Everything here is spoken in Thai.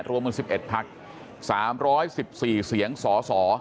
รวมกัน๑๑พัก๓๑๔เสียงสส